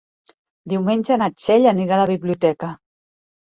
Diumenge na Txell anirà a la biblioteca.